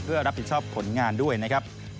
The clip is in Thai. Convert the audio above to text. เพื่อรับผิดชอบผลงานด้วยนะครับ